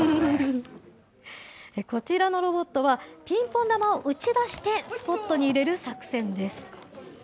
こちらのロボットは、ピンポン球を打ち出してスポットに入れる作戦です。